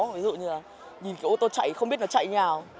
ví dụ như là nhìn cái ô tô chạy không biết nó chạy nhào